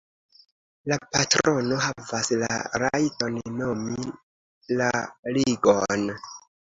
La patrono havas la rajton nomi la ligon.